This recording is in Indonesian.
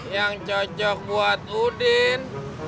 yang cocok buat udin